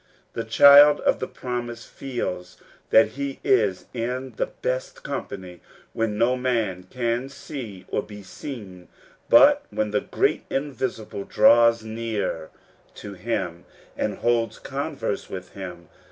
The child of the promise feels that he is in the best company when no man can see or be seen, but when the Great Invisible draws near to him and holds converse with him.